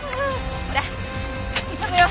ほら急ぐよ。